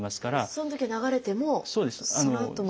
そのときは流れてもそのあとまた。